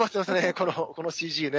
このＣＧね。